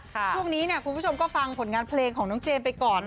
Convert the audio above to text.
ช่วงนี้คุณผู้ชมก็ฟังผลงานเพลงของน้องเจมส์ไปก่อน